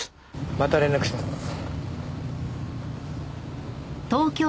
また連絡します。